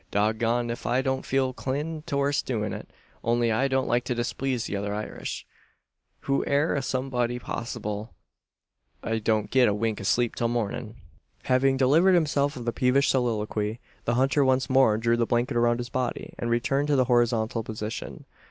Dog goned ef I don't feel 'clined torst doin' it; only I don't like to displeeze the other Irish, who air a somebody. Possible I don't git a wink o' sleep till mornin'." Having delivered himself of this peevish soliloquy, the hunter once more drew the blanket around his body, and returned to the horizontal position.